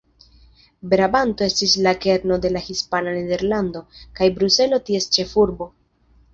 Brabanto estis la kerno de la hispana Nederlando, kaj Bruselo ties ĉefurbo.